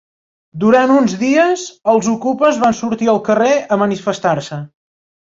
Durant uns dies, els okupes van sortir al carrer a manifestar-se.